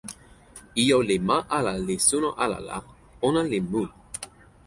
ijo li ma ala li suno ala la, ona li mun.